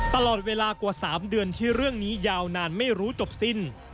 ตลอดเวลากว่า๓เดือนที่เรื่องนี้ยาวนานไม่รู้จบสิ้น